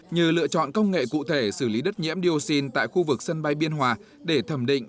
như lựa chọn công nghệ cụ thể xử lý đất nhiễm dioxin tại khu vực sân bay biên hòa để thẩm định